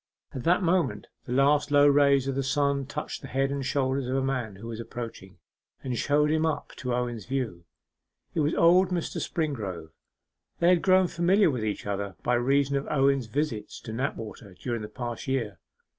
At that moment the last low rays of the sun touched the head and shoulders of a man who was approaching, and showed him up to Owen's view. It was old Mr. Springrove. They had grown familiar with each other by reason of Owen's visits to Knapwater during the past year.